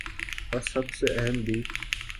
اور سب سے اہم بھی ۔